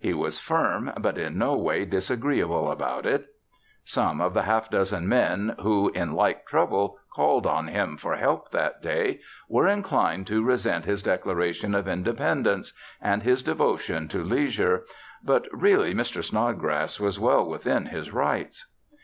He was firm but in no way disagreeable about it. Some of the half dozen men who, in like trouble, called on him for help that day were inclined to resent his declaration of independence and his devotion to leisure, but really Mr. Snodgrass was well within his rights.